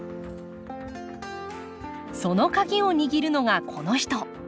その鍵を握るのがこの人。